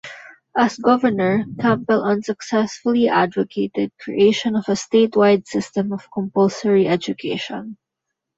As governor Campbell unsuccessfully advocated creation of a statewide system of compulsory education.